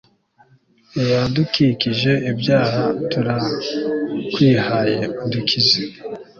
yadukijije ibyaha turakwihaye, udukize